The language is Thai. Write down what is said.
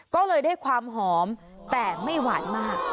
ก็เลยได้ความหอมแต่ไม่หวานมาก